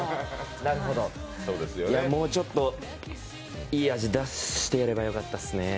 なるほど、もうちょっといい味、出してやればよかったですね。